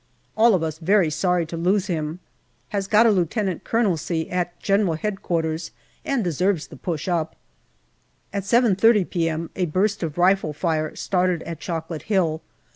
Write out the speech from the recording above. All of us very sorry to lose him. Has got a lieutenant colonelcy at G.H.Q., and deserves the push up. At 7.30 p.m. a burst of rifle fire started at Chocolate Hill.